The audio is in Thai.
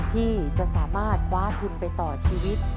ที่จะสามารถคว้าทุนไปต่อชีวิต